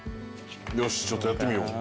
よしちょっとやってみよう。